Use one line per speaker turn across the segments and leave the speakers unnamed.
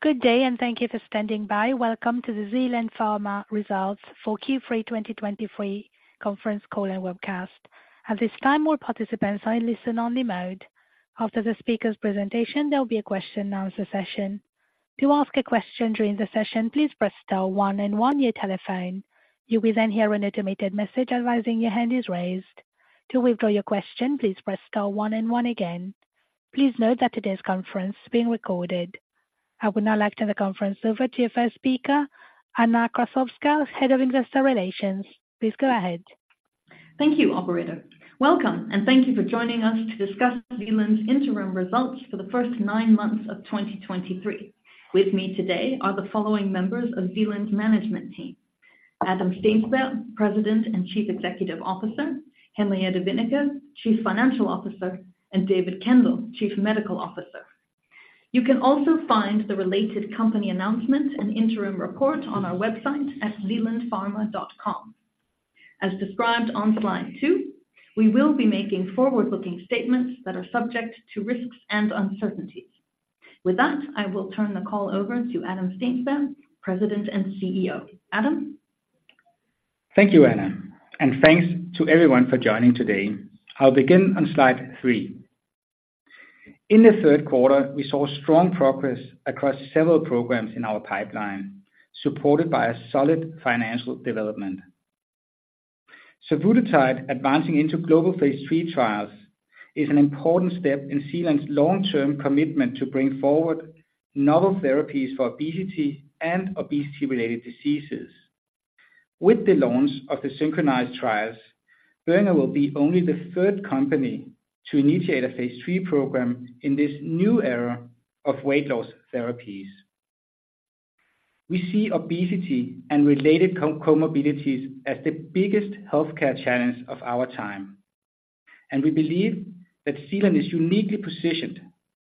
Good day, and thank you for standing by. Welcome to the Zealand Pharma Results for Q3 2023 conference call and webcast. At this time, all participants are in listen only mode. After the speaker's presentation, there will be a question and answer session. To ask a question during the session, please press star one and one on your telephone. You will then hear an automated message advising your hand is raised. To withdraw your question, please press star one and one again. Please note that today's conference is being recorded. I would now like to turn the conference over to your first speaker, Anna Krassowska, Head of Investor Relations. Please go ahead.
Thank you, operator. Welcome, and thank you for joining us to discuss Zealand's interim results for the first nine months of 2023. With me today are the following members of Zealand's management team: Adam Steensberg, President and Chief Executive Officer, Henriette Wennicke, Chief Financial Officer, and David Kendall, Chief Medical Officer. You can also find the related company announcement and interim report on our website at zealandpharma.com. As described on slide two, we will be making forward-looking statements that are subject to risks and uncertainties. With that, I will turn the call over to Adam Steensberg, President and CEO. Adam?
Thank you, Anna, and thanks to everyone for joining today. I'll begin on slide three. In the third quarter, we saw strong progress across several programs in our pipeline, supported by a solid financial development. Survodutide, advancing into global Phase 3 trials, is an important step in Zealand's long-term commitment to bring forward novel therapies for obesity and obesity-related diseases. With the launch of the SYNCHRONIZE trials, Boehringer will be only the third company to initiate a Phase 3 program in this new era of weight loss therapies. We see obesity and related comorbidities as the biggest healthcare challenge of our time, and we believe that Zealand is uniquely positioned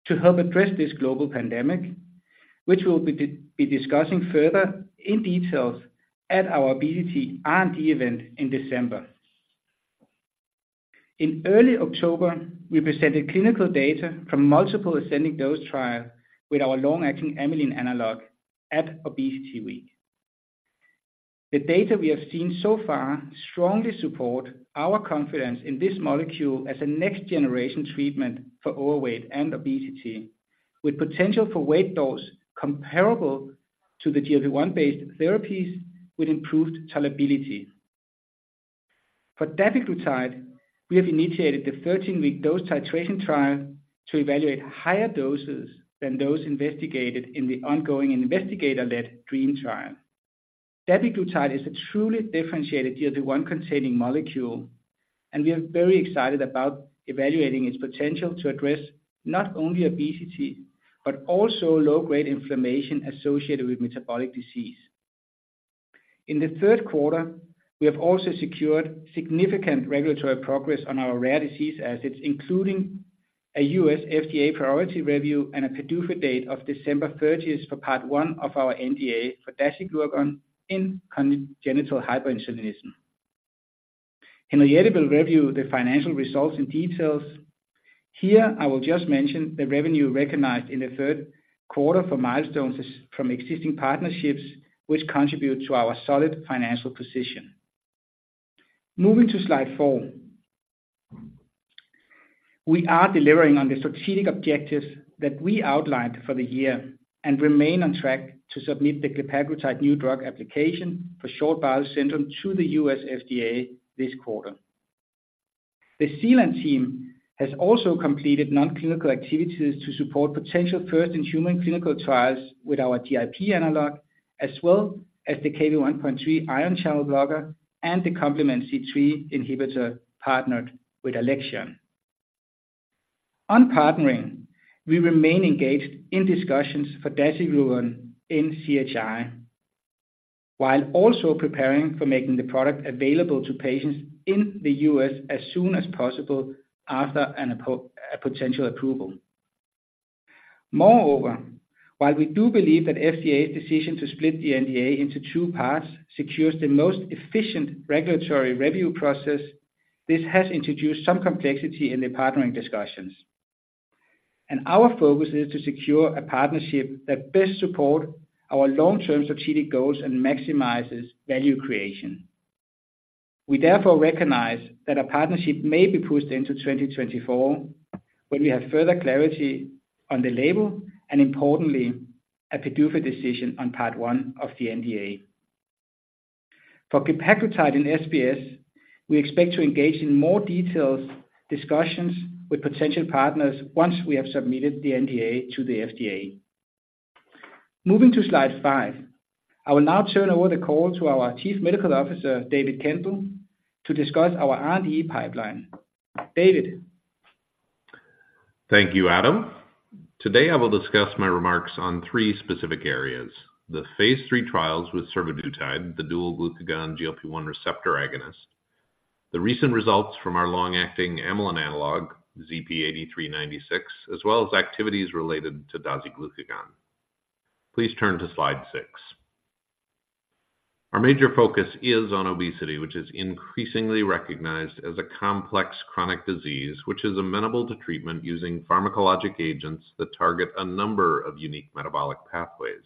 to help address this global pandemic, which we'll be discussing further in detail at our Obesity R&D event in December. In early October, we presented clinical data from multiple ascending dose trials with our long-acting amylin analog at Obesity Week. The data we have seen so far strongly support our confidence in this molecule as a next generation treatment for overweight and obesity, with potential for weight loss comparable to the GLP-1-based therapies with improved tolerability. For Dapiglutide, we have initiated the 13-week dose titration trial to evaluate higher doses than those investigated in the ongoing investigator-led DREAM trial. Dapiglutide is a truly differentiated GLP-1 containing molecule, and we are very excited about evaluating its potential to address not only obesity, but also low-grade inflammation associated with metabolic disease. In the third quarter, we have also secured significant regulatory progress on our rare disease assets, including a U.S. FDA priority review and a PDUFA date of December 30 for Part 1 of our NDA for dasiglucagon in congenital hyperinsulinism. Henriette will review the financial results in detail. Here, I will just mention the revenue recognized in the third quarter for milestones from existing partnerships, which contribute to our solid financial position. Moving to slide four. We are delivering on the strategic objectives that we outlined for the year and remain on track to submit the glepaglutide new drug application for short bowel syndrome to the U.S. FDA this quarter. The Zealand team has also completed non-clinical activities to support potential first-in-human clinical trials with our TIP analog, as well as the Kv1.3 ion channel blocker and the complement C3 inhibitor partnered with Alexion. On partnering, we remain engaged in discussions for dasiglucagon in CHI, while also preparing for making the product available to patients in the U.S. as soon as possible after a potential approval. Moreover, while we do believe that FDA's decision to split the NDA into two parts secures the most efficient regulatory review process, this has introduced some complexity in the partnering discussions. And our focus is to secure a partnership that best support our long-term strategic goals and maximizes value creation. We therefore recognize that a partnership may be pushed into 2024, when we have further clarity on the label, and importantly, a PDUFA decision on Part 1 of the NDA. For glepaglutide in SBS, we expect to engage in more detailed discussions with potential partners once we have submitted the NDA to the FDA. Moving to slide five. I will now turn over the call to our Chief Medical Officer, David Kendall, to discuss our R&D pipeline. David?
Thank you, Adam. Today, I will discuss my remarks on three specific areas: the Phase 3 trials with survodutide, the dual glucagon GLP-1 receptor agonist, the recent results from our long-acting amylin analog, ZP8396, as well as activities related to dasiglucagon. Please turn to slide six. Our major focus is on obesity, which is increasingly recognized as a complex chronic disease, which is amenable to treatment using pharmacologic agents that target a number of unique metabolic pathways.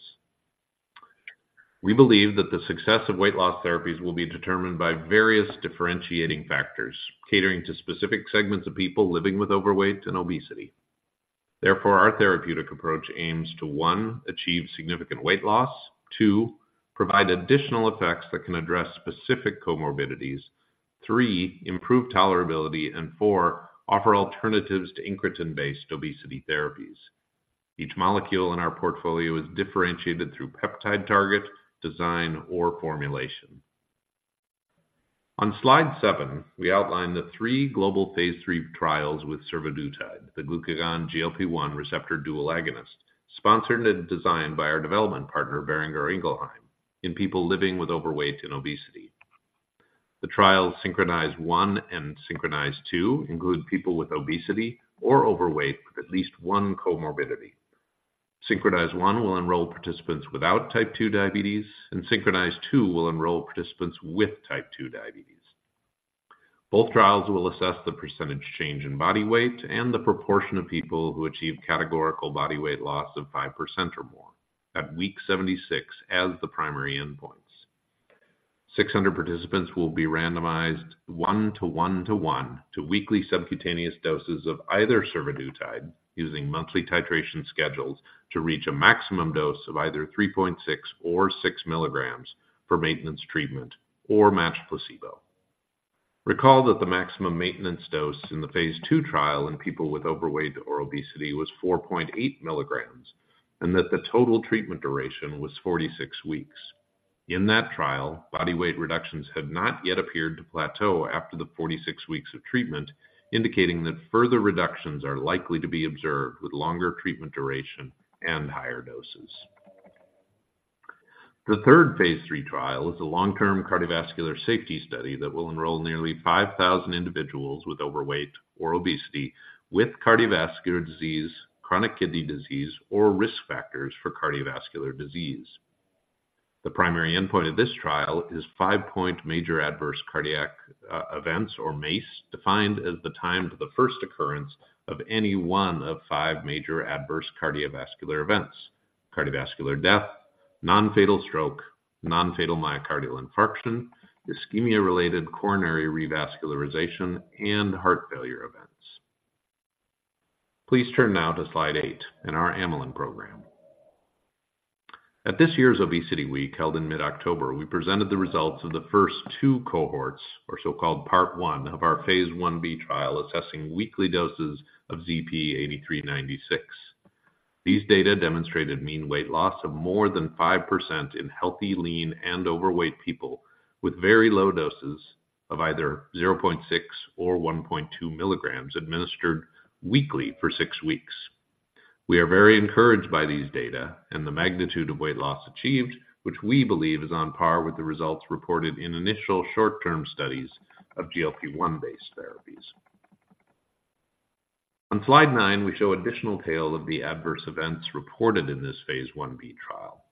We believe that the success of weight loss therapies will be determined by various differentiating factors, catering to specific segments of people living with overweight and obesity. Therefore, our therapeutic approach aims to, one, achieve significant weight loss. Two, provide additional effects that can address specific comorbidities. Three, improve tolerability. And four, offer alternatives to incretin-based obesity therapies. Each molecule in our portfolio is differentiated through peptide target, design, or formulation. On slide seven, we outline the three global Phase 3 trials with survodutide, the glucagon GLP-1 receptor dual agonist, sponsored and designed by our development partner, Boehringer Ingelheim, in people living with overweight and obesity. The trial SYNCHRONIZE-1 and SYNCHRONIZE-2 include people with obesity or overweight with at least one comorbidity. SYNCHRONIZE-1 will enroll participants without type 2 diabetes, and SYNCHRONIZE-2 will enroll participants with type 2 diabetes. Both trials will assess the percentage change in body weight and the proportion of people who achieve categorical body weight loss of 5% or more at week 76 as the primary endpoints. 600 participants will be randomized 1 to 1 to 1 to weekly subcutaneous doses of either survodutide, using monthly titration schedules to reach a maximum dose of either 3.6 mg or 6 mg for maintenance treatment or matched placebo. Recall that the maximum maintenance dose in the Phase 2 trial in people with overweight or obesity was 4.8 mg, and that the total treatment duration was 46 weeks. In that trial, body weight reductions had not yet appeared to plateau after the 46 weeks of treatment, indicating that further reductions are likely to be observed with longer treatment duration and higher doses. The third Phase 3 trial is a long-term cardiovascular safety study that will enroll nearly 5,000 individuals with overweight or obesity, with cardiovascular disease, chronic kidney disease, or risk factors for cardiovascular disease. The primary endpoint of this trial is five-point major adverse cardiovascular events or MACE, defined as the time to the first occurrence of any one of five major adverse cardiovascular events: cardiovascular death, non-fatal stroke, non-fatal myocardial infarction, ischemia-related coronary revascularization, and heart failure events. Please turn now to slide eight in our amylin program. At this year's Obesity Week, held in mid-October, we presented the results of the first two cohorts or so-called Part 1 of our Phase 1b trial, assessing weekly doses of ZP8396. These data demonstrated mean weight loss of more than 5% in healthy, lean, and overweight people with very low doses of either 0.6 or 1.2 mg, administered weekly for six weeks. We are very encouraged by these data and the magnitude of weight loss achieved, which we believe is on par with the results reported in initial short-term studies of GLP-1-based therapies. On slide nine, we show additional data of the adverse events reported in this Phase 1b trial,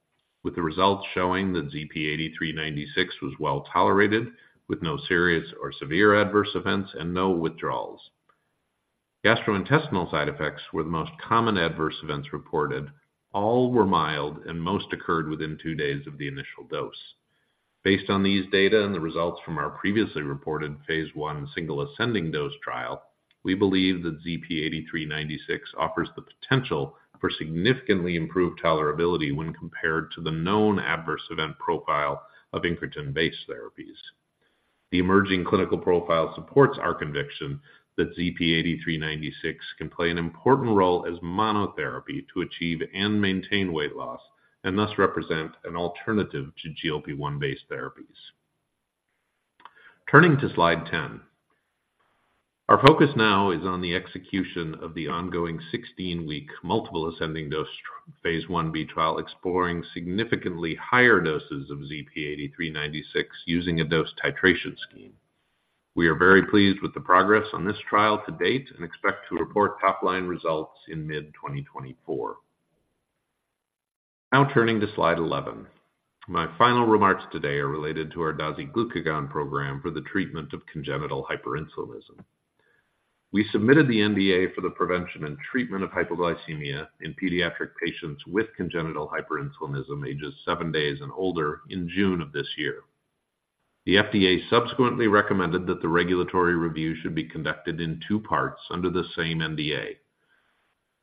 with the results showing that ZP8396 was well-tolerated, with no serious or severe adverse events and no withdrawals. Gastrointestinal side effects were the most common adverse events reported. All were mild and most occurred within two days of the initial dose. Based on these data and the results from our previously reported Phase 1 single ascending dose trial, we believe that ZP8396 offers the potential for significantly improved tolerability when compared to the known adverse event profile of incretin-based therapies. The emerging clinical profile supports our conviction that ZP8396 can play an important role as monotherapy to achieve and maintain weight loss, and thus represent an alternative to GLP-1-based therapies. Turning to slide 10. Our focus now is on the execution of the ongoing 16-week multiple ascending-dose Phase 1b trial, exploring significantly higher doses of ZP8396 using a dose titration scheme. We are very pleased with the progress on this trial to date and expect to report top-line results in mid-2024. Now turning to slide 11. My final remarks today are related to our dasiglucagon program for the treatment of congenital hyperinsulinism. We submitted the NDA for the prevention and treatment of hypoglycemia in pediatric patients with congenital hyperinsulinism, ages seven days and older, in June of this year. The FDA subsequently recommended that the regulatory review should be conducted in two parts under the same NDA.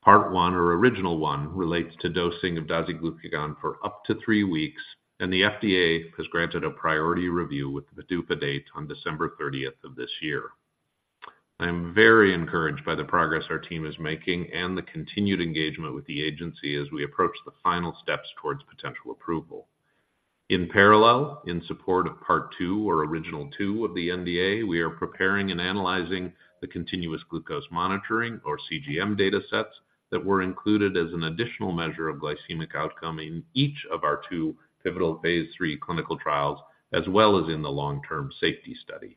Part 1, or Original 1, relates to dosing of dasiglucagon for up to three weeks, and the FDA has granted a priority review with the PDUFA date on December thirtieth of this year. I'm very encouraged by the progress our team is making and the continued engagement with the agency as we approach the final steps towards potential approval. In parallel, in support of Part 2 or Original 2 of the NDA, we are preparing and analyzing the continuous glucose monitoring or CGM data sets that were included as an additional measure of glycemic outcome in each of our two pivotal Phase 3 clinical trials, as well as in the long-term safety study.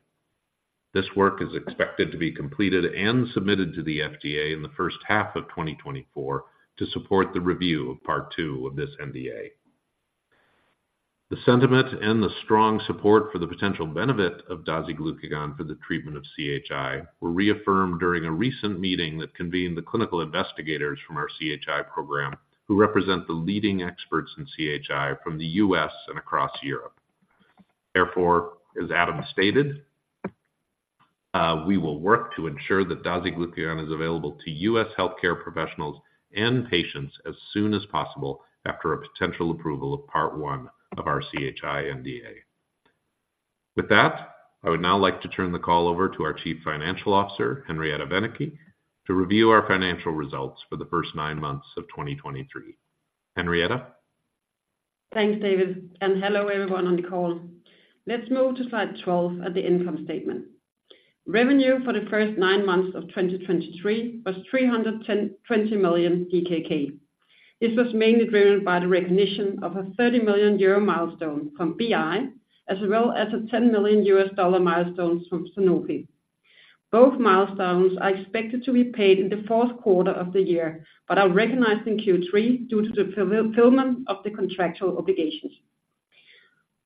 This work is expected to be completed and submitted to the FDA in the first half of 2024 to support the review of Part 2 of this NDA. The sentiment and the strong support for the potential benefit of dasiglucagon for the treatment of CHI were reaffirmed during a recent meeting that convened the clinical investigators from our CHI program, who represent the leading experts in CHI from the U.S. and across Europe. Therefore, as Adam stated, we will work to ensure that dasiglucagon is available to U.S. healthcare professionals and patients as soon as possible after a potential approval of Part 1 of our CHI NDA. With that, I would now like to turn the call over to our Chief Financial Officer, Henriette Wennicke, to review our financial results for the first nine months of 2023. Henriette?
Thanks, David, and hello, everyone on the call. Let's move to slide 12 at the income statement. Revenue for the first nine months of 2023 was 310.20 million DKK. This was mainly driven by the recognition of a 30 million euro milestone from BI, as well as a $10 million milestones from Sanofi. Both milestones are expected to be paid in the fourth quarter of the year, but are recognized in Q3 due to the fulfillment of the contractual obligations.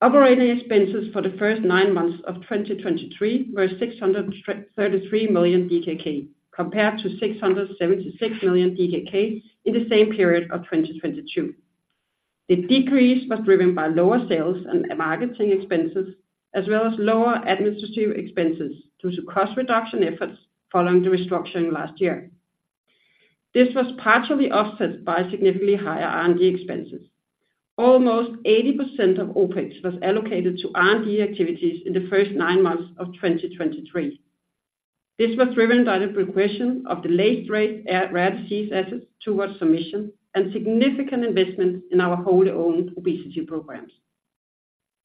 Operating expenses for the first nine months of 2023 were 633 million DKK, compared to 676 million DKK in the same period of 2022. The decrease was driven by lower sales and marketing expenses, as well as lower administrative expenses, due to cost reduction efforts following the restructuring last year. This was partially offset by significantly higher R&D expenses. Almost 80% of OpEx was allocated to R&D activities in the first nine months of 2023. This was driven by the progression of the late-stage rare disease assets towards submission and significant investments in our wholly owned obesity programs.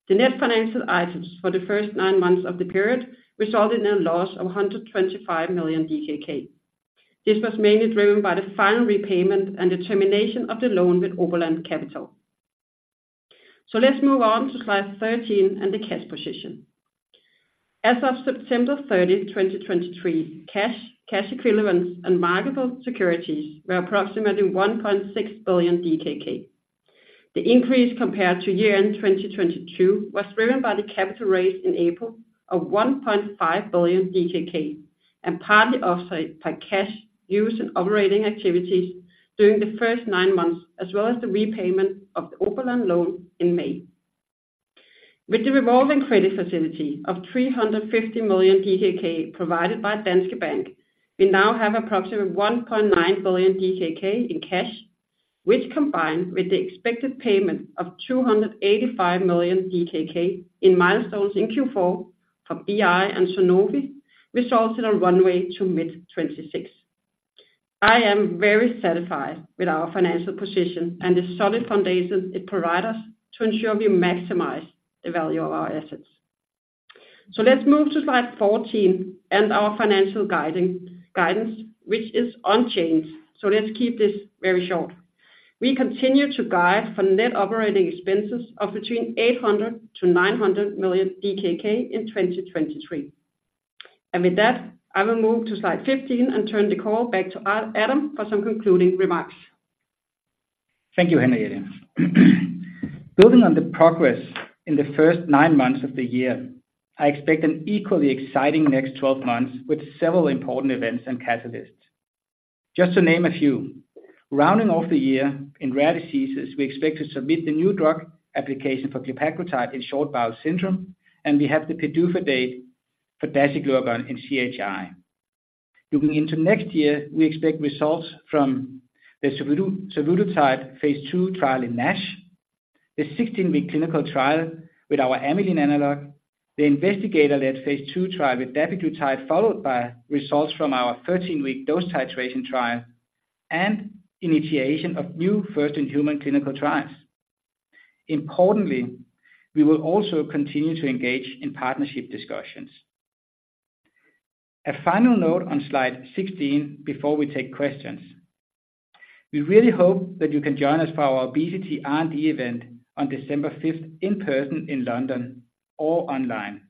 The net financial items for the first nine months of the period resulted in a loss of 125 million DKK. This was mainly driven by the final repayment and the termination of the loan with Oberland Capital. So let's move on to slide 13 and the cash position. As of September 30th, 2023, cash, cash equivalents and marketable securities were approximately 1.6 billion DKK. The increase compared to year-end 2022, was driven by the capital raise in April of 1.5 billion DKK, and partly offset by cash used in operating activities during the first nine months, as well as the repayment of the Oberland loan in May. With the revolving credit facility of 350 million DKK provided by Danske Bank, we now have approximately 1.9 billion DKK in cash, which, combined with the expected payment of 285 million DKK in milestones in Q4 from BI and Sanofi, results in a runway to mid-2026. I am very satisfied with our financial position and the solid foundation it provide us, to ensure we maximize the value of our assets. So let's move to slide 14 and our financial guidance, which is unchanged. So let's keep this very short. We continue to guide for net operating expenses of between 800 million-900 million DKK in 2023. With that, I will move to slide 15 and turn the call back to Adam, for some concluding remarks.
Thank you, Henriette. Building on the progress in the first nine months of the year, I expect an equally exciting next 12 months, with several important events and catalysts. Just to name a few, rounding off the year in rare diseases, we expect to submit the new drug application for glepaglutide in short bowel syndrome, and we have the PDUFA date for dasiglucagon in CHI. Looking into next year, we expect results from the survodutide Phase 2 trial in NASH, the 16-week clinical trial with our amylin analog, the investigator-led Phase 2 trial with dapiglutide, followed by results from our 13-week dose titration trial and initiation of new first-in-human clinical trials. Importantly, we will also continue to engage in partnership discussions. A final note on slide 16 before we take questions. We really hope that you can join us for our obesity R&D event on December 5th, in person in London or online.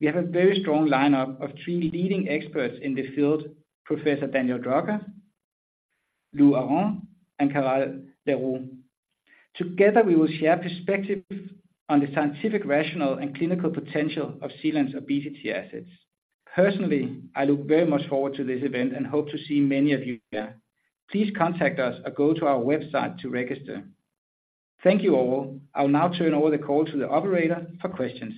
We have a very strong lineup of three leading experts in the field: Professor Daniel Drucker, Louis Aronne, and Carel Le Roux. Together, we will share perspectives on the scientific, rationale, and clinical potential of Zealand's obesity assets. Personally, I look very much forward to this event and hope to see many of you there. Please contact us or go to our website to register. Thank you, all. I will now turn over the call to the operator for questions.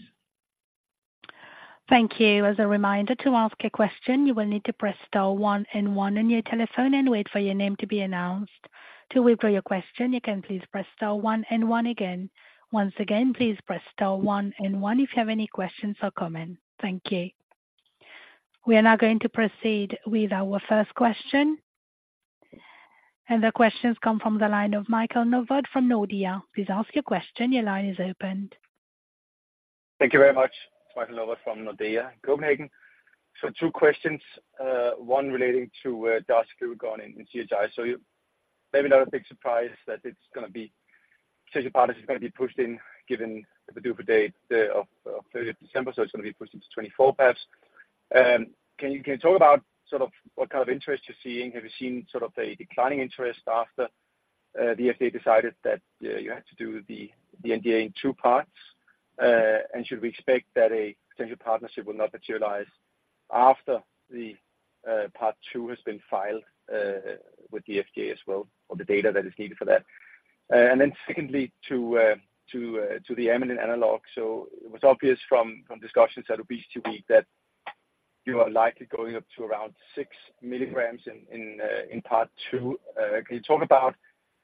Thank you. As a reminder, to ask a question, you will need to press star one and one on your telephone and wait for your name to be announced. To withdraw your question, you can please press star one and one again. Once again, please press star one and one if you have any questions or comments. Thank you. We are now going to proceed with our first question, and the questions come from the line of Michael Novod from Nordea. Please ask your question. Your line is open.
Thank you very much. Michael Novod from Nordea, Copenhagen. So two questions, one relating to dasiglucagon in CHI. So maybe not a big surprise that it's going to be-... potential partners is going to be pushed in, given the PDUFA date of December, so it's going to be pushed into 2024 Q4s. Can you talk about sort of what kind of interest you're seeing? Have you seen sort of a declining interest after the FDA decided that you had to do the NDA in two parts? And should we expect that a potential partnership will not materialize after Part 2 has been filed with the FDA as well, or the data that is needed for that? And then secondly, to the amylin analog. So it was obvious from discussions at Obesity Week that you are likely going up to around 6 mg in Part 2. Can you talk about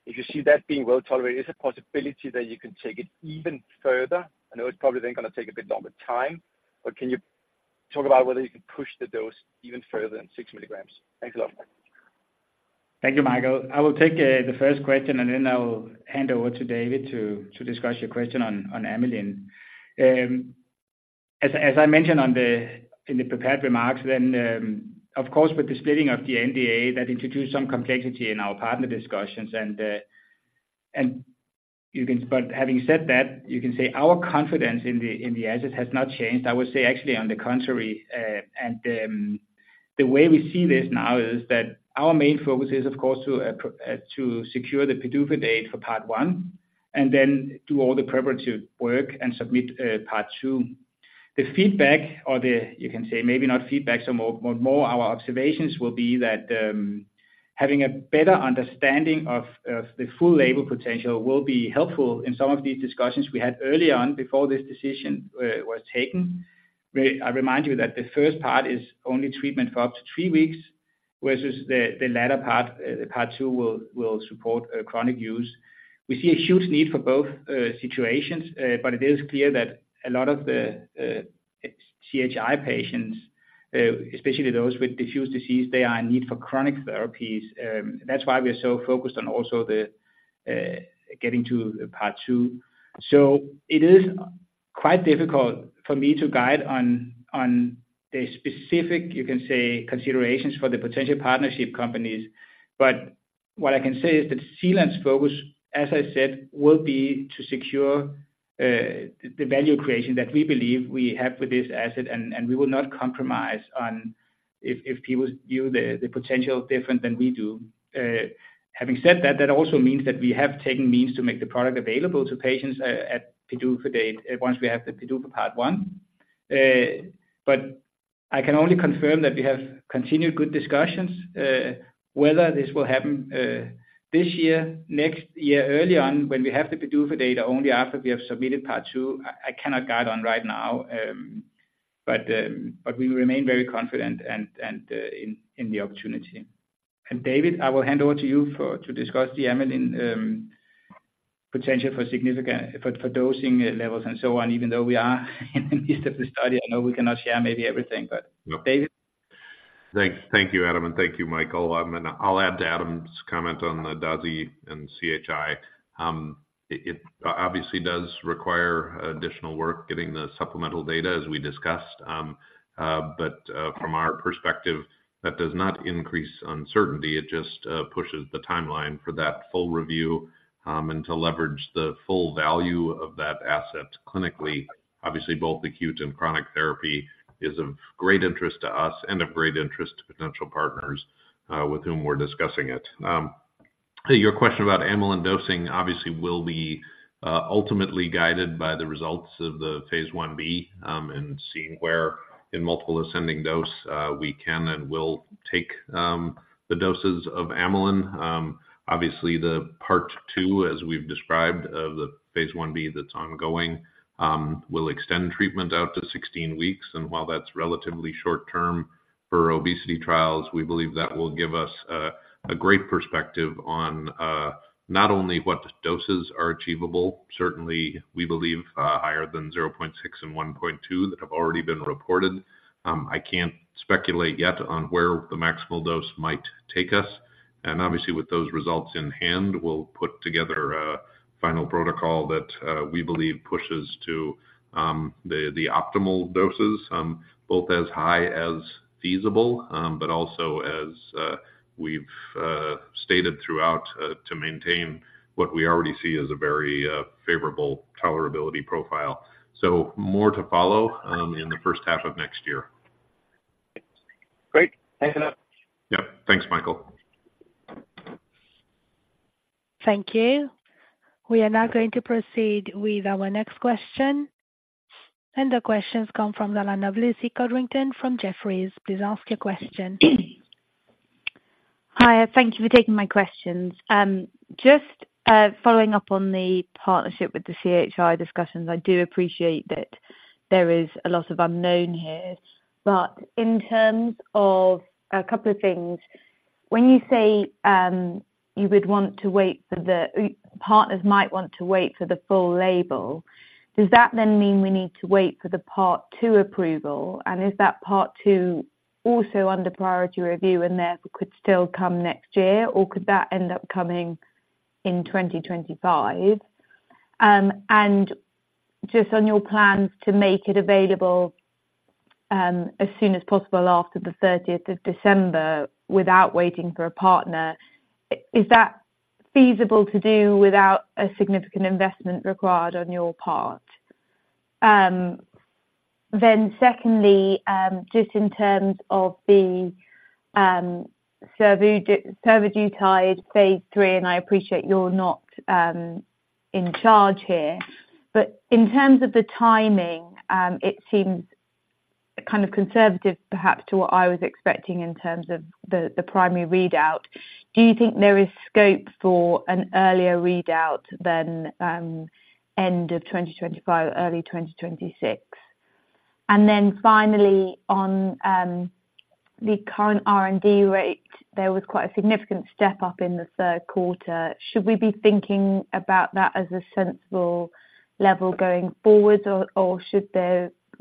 if you see that being well tolerated, is there a possibility that you can take it even further? I know it's probably then going to take a bit longer time, but can you talk about whether you can push the dose even further than 6 mg? Thanks a lot.
Thank you, Michael. I will take the first question, and then I'll hand over to David to discuss your question on amylin. As I mentioned in the prepared remarks, then, of course, with the splitting of the NDA, that introduced some complexity in our partner discussions. And you can, but having said that, you can say our confidence in the asset has not changed. I would say, actually, on the contrary, and the way we see this now is that our main focus is, of course, to secure the PDUFA date for Part 1, and then do all the preparatory work and submit Part 2. The feedback or the... You can say maybe not feedback, so more our observations will be that, having a better understanding of the full label potential will be helpful in some of these discussions we had early on before this decision was taken. Where I remind you that the first part is only treatment for up to three weeks, versus the latter part, Part 2, will support chronic use. We see a huge need for both situations, but it is clear that a lot of the CHI patients, especially those with diffuse disease, they are in need for chronic therapies. That's why we are so focused on also the getting to Part 2. So it is quite difficult for me to guide on the specific, you can say, considerations for the potential partnership companies. But what I can say is that Zealand's focus, as I said, will be to secure the value creation that we believe we have with this asset, and we will not compromise on if people view the potential different than we do. Having said that, that also means that we have taken means to make the product available to patients at PDUFA date, once we have the PDUFA Part 1. But I can only confirm that we have continued good discussions whether this will happen this year, next year, early on, when we have the PDUFA date, only after we have submitted Part 2. I cannot guide on right now. But we remain very confident and in the opportunity. David, I will hand over to you to discuss the amylin potential for significant dosing levels and so on. Even though we are in the midst of the study, I know we cannot share maybe everything, but David?
Thanks. Thank you, Adam, and thank you, Michael. And I'll add to Adam's comment on the Dasi and CHI. It obviously does require additional work getting the supplemental data, as we discussed. But from our perspective, that does not increase uncertainty. It just pushes the timeline for that full review, and to leverage the full value of that asset clinically. Obviously, both acute and chronic therapy is of great interest to us and of great interest to potential partners, with whom we're discussing it. Your question about amylin dosing obviously will be ultimately guided by the results of the Phase 1b, and seeing where in multiple ascending dose, we can and will take the doses of amylin. Obviously, the part two, as we've described, of the Phase 1b that's ongoing, will extend treatment out to 16 weeks. While that's relatively short term for obesity trials, we believe that will give us a great perspective on not only what doses are achievable, certainly we believe higher than 0.6 and 1.2, that have already been reported. I can't speculate yet on where the maximal dose might take us, and obviously, with those results in hand, we'll put together a final protocol that we believe pushes to the optimal doses, both as high as feasible, but also, as we've stated throughout, to maintain what we already see as a very favorable tolerability profile. More to follow in the first half of next year.
Great. Thanks a lot.
Yep. Thanks, Michael.
Thank you. We are now going to proceed with our next question, and the question comes from Lucy Codrington from Jefferies. Please ask your question.
Hi, thank you for taking my questions. Just following up on the partnership with the CHI discussions, I do appreciate that there is a lot of unknown here, but in terms of a couple of things, when you say you would want to wait for the partners might want to wait for the full label, does that then mean we need to wait for the Part 2 approval? And is that Part 2 also under priority review and therefore could still come next year, or could that end up coming in 2025? And just on your plans to make it available as soon as possible after the thirtieth of December, without waiting for a partner, is that feasible to do without a significant investment required on your part? Then secondly, just in terms of the survodutide Phase 3, and I appreciate you're not in charge here, but in terms of the timing, it seems kind of conservative, perhaps, to what I was expecting in terms of the primary readout. Do you think there is scope for an earlier readout than end of 2025, early 2026? And then finally, on the current R&D rate, there was quite a significant step up in the third quarter. Should we be thinking about that as a sensible level going forward, or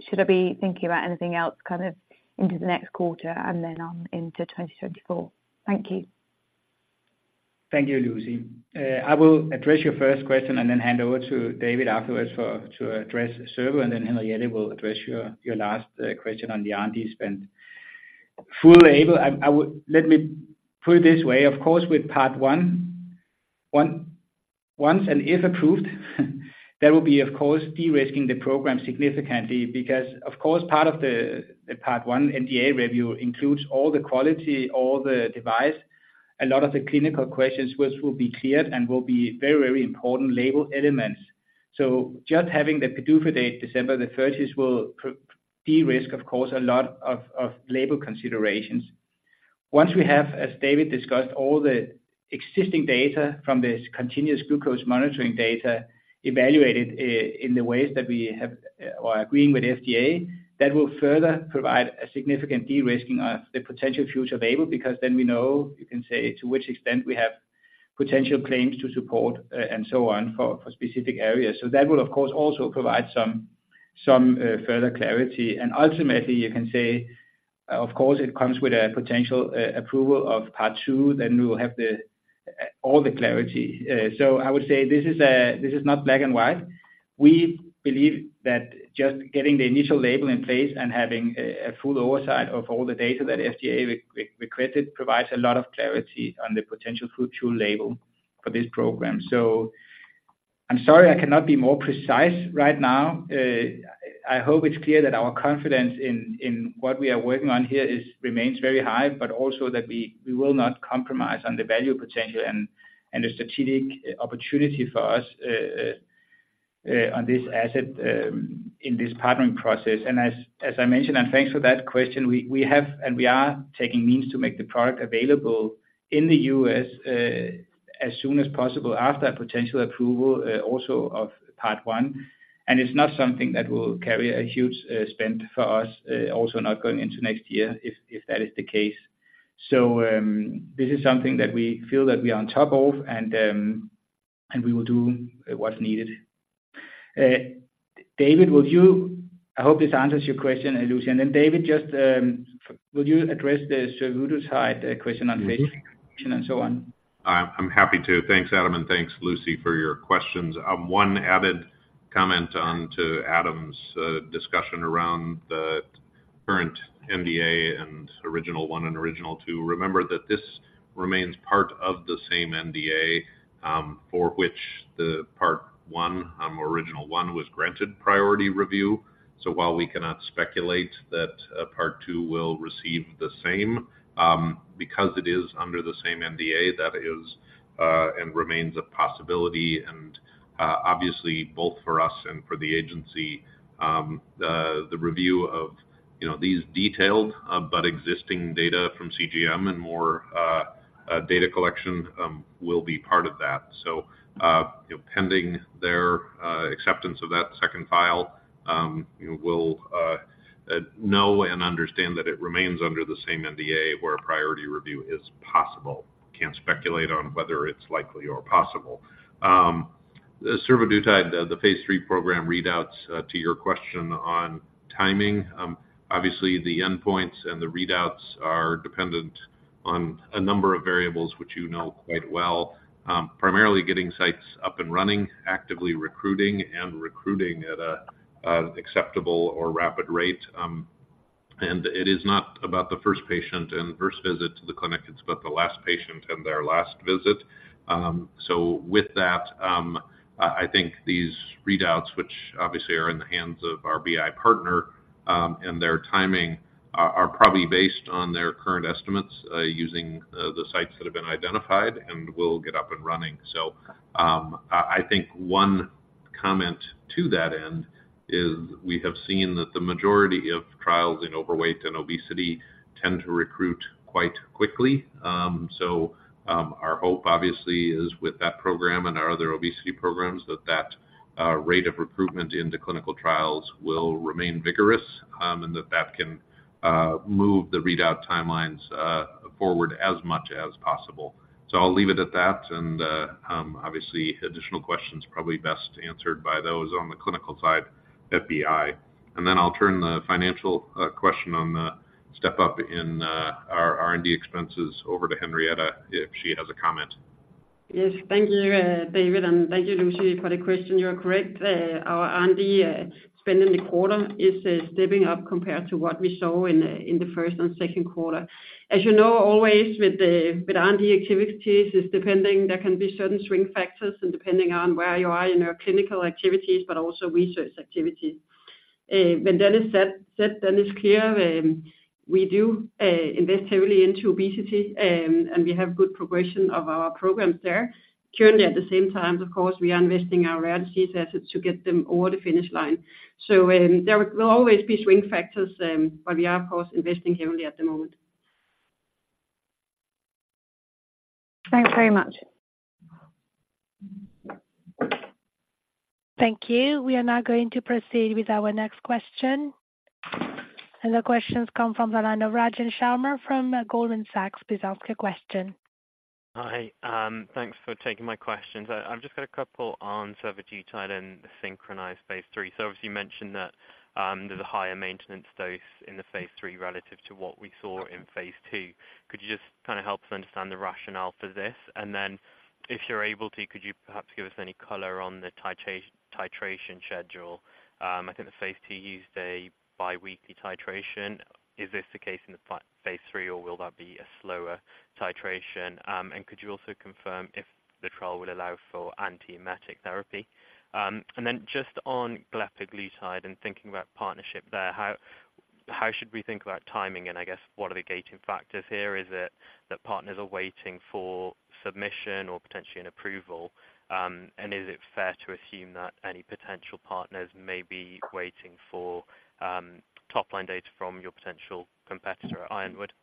should I be thinking about anything else kind of into the next quarter and then on into 2024? Thank you.
Thank you, Lucy. I will address your first question and then hand over to David afterwards to address survodutide, and then Henriette will address your, your last question on the R&D spend. Full label, I would let me put it this way. Of course, with Part 1, once, and if approved, that will be, of course, de-risking the program significantly. Because, of course, part of the, the Part 1 NDA review includes all the quality, all the device, a lot of the clinical questions, which will be cleared and will be very, very important label elements. So just having the PDUFA date, December 30, will de-risk, of course, a lot of, of label considerations. Once we have, as David discussed, all the existing data from this continuous glucose monitoring data evaluated, in the ways that we have, or agreeing with FDA, that will further provide a significant de-risking of the potential future label, because then we know, you can say, to which extent we have potential claims to support, and so on, for specific areas. So that will, of course, also provide some further clarity. And ultimately, you can say, of course, it comes with a potential approval of Part 2, then we will have all the clarity. So I would say this is, this is not black and white. We believe that just getting the initial label in place and having a full oversight of all the data that FDA requested provides a lot of clarity on the potential future label for this program. So I'm sorry I cannot be more precise right now. I hope it's clear that our confidence in what we are working on here remains very high, but also that we will not compromise on the value potential and the strategic opportunity for us on this asset in this partnering process. As I mentioned, and thanks for that question, we have and we are taking means to make the product available in the U.S. as soon as possible after a potential approval also of Part 1. And it's not something that will carry a huge spend for us, also not going into next year, if that is the case. So, this is something that we feel that we are on top of, and we will do what's needed. David, will you... I hope this answers your question, Lucy. And then, David, just will you address the survodutide question on phase and so on?
I'm happy to. Thanks, Adam, and thanks, Lucy, for your questions. One added comment on to Adam's discussion around the current NDA and original one and original two. Remember that this remains part of the same NDA, for which the Part 1, original one, was granted priority review. So while we cannot speculate that Part 2 will receive the same, because it is under the same NDA, that is, and remains a possibility. Obviously, both for us and for the agency, the review of, you know, these detailed but existing data from CGM and more data collection, will be part of that. So, pending their acceptance of that second file, we'll know and understand that it remains under the same NDA, where a priority review is possible. Can't speculate on whether it's likely or possible. The survodutide Phase 3 program readouts, to your question on timing, obviously, the endpoints and the readouts are dependent on a number of variables, which you know quite well. Primarily getting sites up and running, actively recruiting, and recruiting at a acceptable or rapid rate. It is not about the first patient and first visit to the clinic, it's about the last patient and their last visit. So with that, I think these readouts, which obviously are in the hands of our BI partner, and their timing, are probably based on their current estimates, using the sites that have been identified and will get up and running. So, I think one comment to that end is we have seen that the majority of trials in overweight and obesity tend to recruit quite quickly. So, our hope, obviously, is with that program and our other obesity programs, that that rate of recruitment into clinical trials will remain vigorous, and that that can move the readout timelines forward as much as possible. So I'll leave it at that, and obviously, additional questions probably best answered by those on the clinical side at BI. And then I'll turn the financial question on the step up in our R&D expenses over to Henriette, if she has a comment....
Yes, thank you, David, and thank you, Lucy, for the question. You are correct, our R&D spend in the quarter is stepping up compared to what we saw in the first and second quarter. As you know, always with R&D activities is depending there can be certain swing factors, and depending on where you are in your clinical activities, but also research activities. When that is set, then it's clear, we do invest heavily into obesity, and we have good progression of our programs there. Currently, at the same time, of course, we are investing our rare disease assets to get them over the finish line. There will always be swing factors, but we are, of course, investing heavily at the moment.
Thanks very much.
Thank you. We are now going to proceed with our next question. The question comes from the line of Rajan Sharma from Goldman Sachs. Please ask your question.
Hi, thanks for taking my questions. I've just got a couple on survodutide and the SYNCHRONIZE Phase 3. So obviously you mentioned that, there's a higher maintenance dose in the Phase 3 relative to what we saw in Phase 2. Could you just kind of help us understand the rationale for this? And then if you're able to, could you perhaps give us any color on the titration schedule? I think the Phase 2 used a biweekly titration. Is this the case in the Phase 3, or will that be a slower titration? And could you also confirm if the trial will allow for antiemetic therapy? And then just on glepaglutide and thinking about partnership there, how should we think about timing? And I guess, what are the gating factors here? Is it that partners are waiting for submission or potentially an approval? And is it fair to assume that any potential partners may be waiting for top-line data from your potential competitor, Ironwood?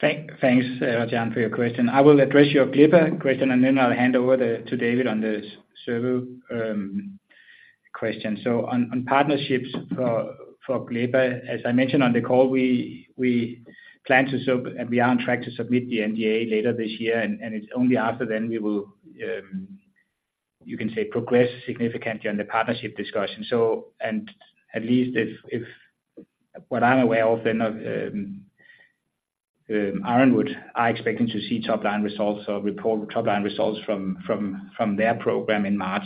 Thanks, Rajan, for your question. I will address your glepa question, and then I'll hand over to David on the survo question. So on partnerships for glepa, as I mentioned on the call, we plan to submit the NDA later this year, and it's only after then we will, you can say, progress significantly on the partnership discussion. So and at least if what I'm aware of, Ironwood are expecting to see top-line results or report top-line results from their program in March.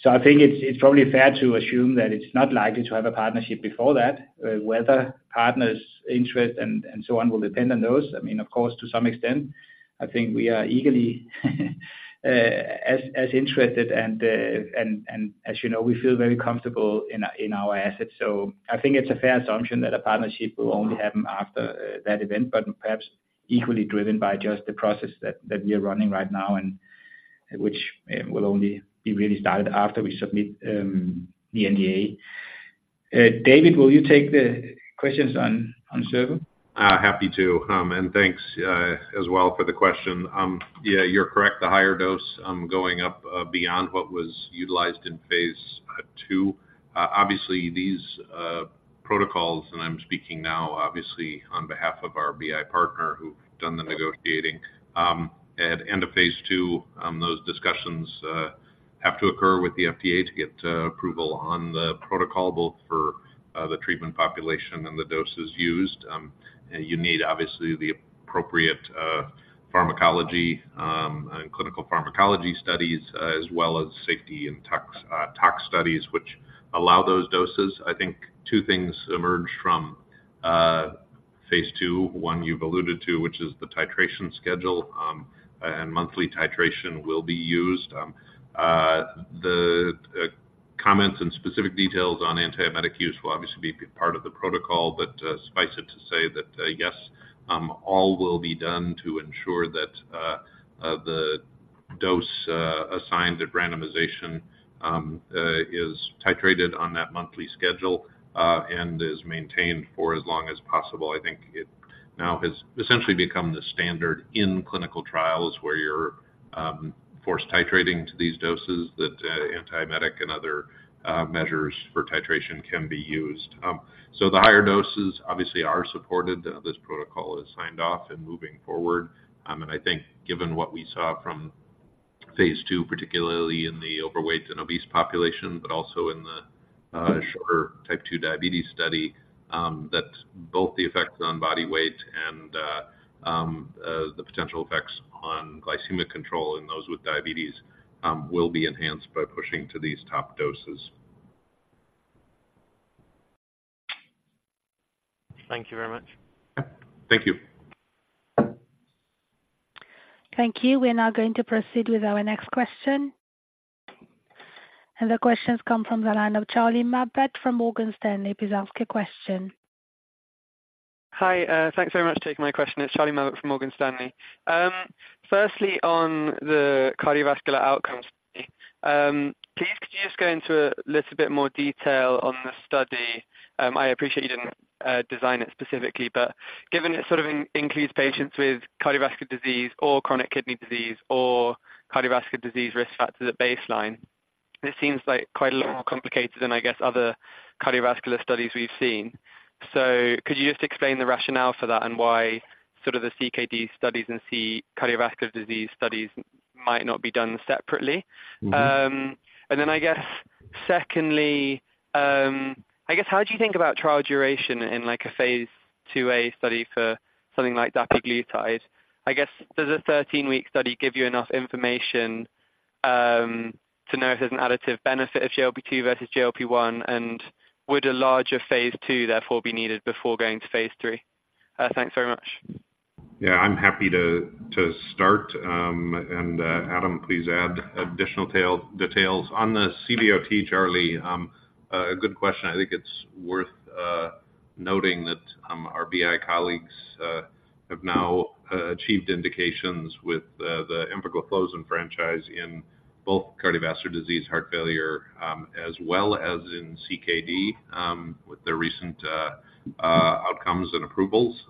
So I think it's probably fair to assume that it's not likely to have a partnership before that. Whether partners interest and so on, will depend on those. I mean, of course, to some extent, I think we are eagerly as interested, and as you know, we feel very comfortable in our assets. So I think it's a fair assumption that a partnership will only happen after that event, but perhaps equally driven by just the process that we are running right now and which will only be really started after we submit the NDA. David, will you take the questions on survodutide?
Happy to and thanks as well for the question. Yeah, you're correct. The higher dose, going up beyond what was utilized in Phase 2. Obviously these protocols, and I'm speaking now obviously on behalf of our BI partner who've done the negotiating. At end of Phase 2, those discussions have to occur with the FDA to get approval on the protocol, both for the treatment population and the doses used. You need obviously the appropriate pharmacology and clinical pharmacology studies as well as safety and tox studies, which allow those doses. I think two things emerged from Phase 2. One you've alluded to, which is the titration schedule, and monthly titration will be used. The comments and specific details on antiemetic use will obviously be part of the protocol, but suffice it to say that yes, all will be done to ensure that the dose assigned at randomization is titrated on that monthly schedule and is maintained for as long as possible. I think it now has essentially become the standard in clinical trials where you're forced titrating to these doses that antiemetic and other measures for titration can be used. So the higher doses obviously are supported. This protocol is signed off and moving forward, and I think given what we saw from Phase 2, particularly in the overweight and obese population, but also in the shorter type 2 diabetes study, that both the effects on body weight and the potential effects on glycemic control in those with diabetes will be enhanced by pushing to these top doses.
Thank you very much.
Thank you.
Thank you. We are now going to proceed with our next question. The question's come from the line of Charlie Mabbutt from Morgan Stanley. Please ask your question.
Hi, thanks very much for taking my question. It's Charlie Mabbutt from Morgan Stanley. Firstly, on the cardiovascular outcomes study, please, could you just go into a little bit more detail on the study? I appreciate you didn't design it specifically, but given it sort of includes patients with cardiovascular disease or chronic kidney disease or cardiovascular disease risk factors at baseline, it seems like quite a lot more complicated than, I guess, other cardiovascular studies we've seen. So could you just explain the rationale for that and why sort of the CKD studies and cardiovascular disease studies might not be done separately?
Mm-hmm.
And then I guess secondly, I guess, how do you think about trial duration in, like, a Phase 2a study for something like dapiglutide? I guess, does a 13-week study give you enough information to know if there's an additive benefit of GLP-2 versus GLP-1? And would a larger Phase 2 therefore be needed before going to Phase 3? Thanks very much.
Yeah, I'm happy to start. Adam, please add additional tail details. On the CVOT, Charlie, a good question. I think it's worth noting that our BI colleagues have now achieved indications with the empagliflozin franchise in both cardiovascular disease, heart failure, as well as in CKD, with the recent outcomes and approvals.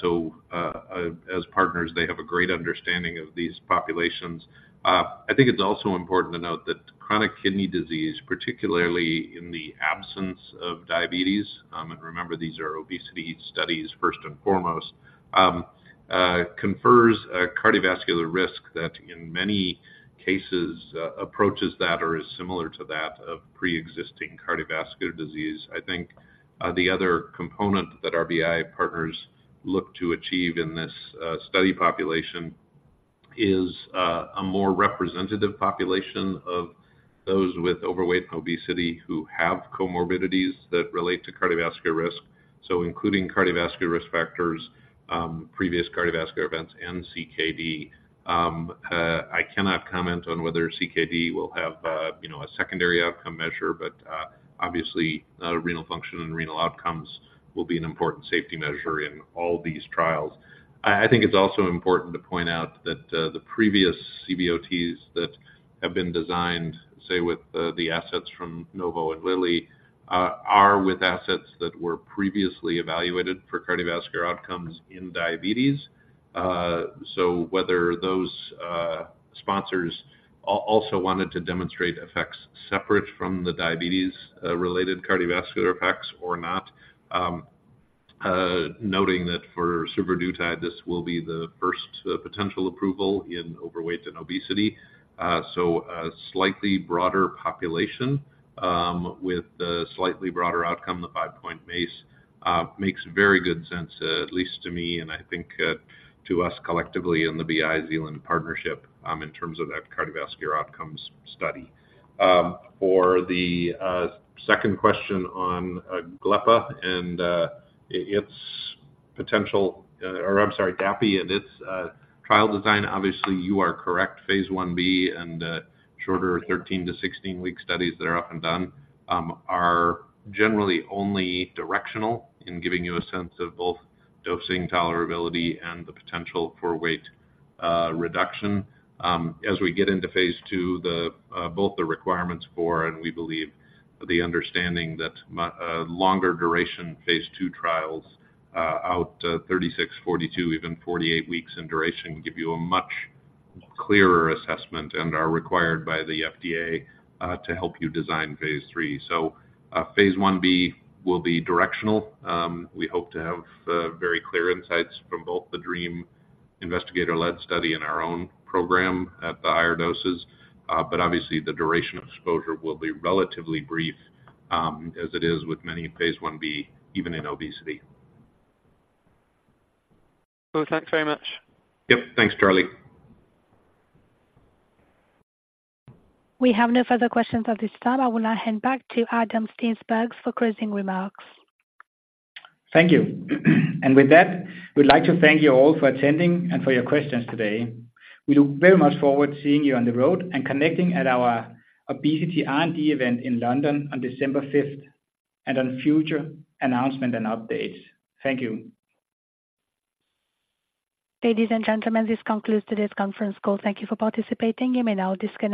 So, as partners, they have a great understanding of these populations. I think it's also important to note that chronic kidney disease, particularly in the absence of diabetes, and remember, these are obesity studies first and foremost, confers a cardiovascular risk that in many cases approaches that or is similar to that of preexisting cardiovascular disease. I think, the other component that our BI partners look to achieve in this study population is a more representative population of those with overweight and obesity who have comorbidities that relate to cardiovascular risk, so including cardiovascular risk factors, previous cardiovascular events and CKD. I cannot comment on whether CKD will have, you know, a secondary outcome measure, but obviously, renal function and renal outcomes will be an important safety measure in all these trials. I think it's also important to point out that the previous CVOTs that have been designed, say, with the assets from Novo and Lilly, are with assets that were previously evaluated for cardiovascular outcomes in diabetes. So whether those sponsors also wanted to demonstrate effects separate from the diabetes related cardiovascular effects or not, noting that for semaglutide, this will be the first potential approval in overweight and obesity. So a slightly broader population with a slightly broader outcome, the five-point MACE, makes very good sense, at least to me, and I think to us collectively in the BI Zealand partnership, in terms of that cardiovascular outcomes study. For the second question on glepa and its potential, or I'm sorry, dapi and its trial design, obviously, you are correct. Phase 1b and shorter 13-16-week studies that are up and done are generally only directional in giving you a sense of both dosing tolerability and the potential for weight reduction. As we get into Phase 2, the both the requirements for and we believe the understanding that longer duration Phase 2 trials out to 36, 42, even 48 weeks in duration, give you a much clearer assessment and are required by the FDA to help you design Phase 3. Phase 1b will be directional. We hope to have very clear insights from both the DREAM investigator-led study and our own program at the higher doses. But obviously the duration of exposure will be relatively brief, as it is with many Phase 1b, even in obesity.
Cool. Thanks very much.
Yep. Thanks, Charlie.
We have no further questions at this time. I will now hand back to Adam Steensberg for closing remarks.
Thank you. With that, we'd like to thank you all for attending and for your questions today. We look very much forward to seeing you on the road and connecting at our Obesity R&D Event in London on December 5th, and on future announcement and updates. Thank you.
Ladies and gentlemen, this concludes today's conference call. Thank you for participating. You may now disconnect.